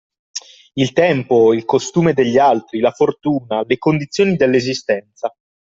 Il tempo, il costume degli altri, la fortuna, le condizioni dell'esistenza